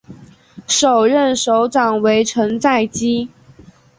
首任首长为成在基。